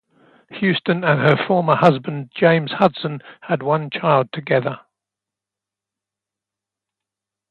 Huston and her former husband James Huston had one child together.